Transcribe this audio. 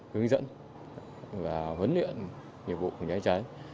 hướng dẫn và huấn luyện nghiệp vụ phòng cháy cháy